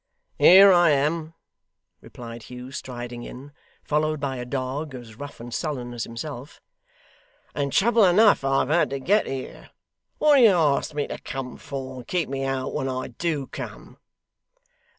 'Here I am,' replied Hugh, striding in, followed by a dog, as rough and sullen as himself; 'and trouble enough I've had to get here. What do you ask me to come for, and keep me out when I DO come?